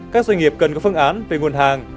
các doanh nghiệp cần có phương án về nguồn hàng